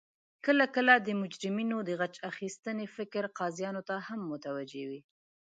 کله کله د مجرمینو د غچ اخستنې فکر قاضیانو ته هم متوجه وي